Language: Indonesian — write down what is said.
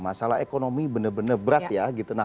masalah ekonomi benar benar berat ya